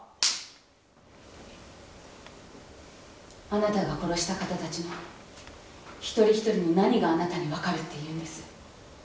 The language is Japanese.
あなたが殺した方たちの一人ひとりの何があなたに分かるっていうんです。